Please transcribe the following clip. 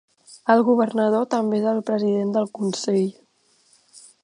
El Governador també és el president del consell.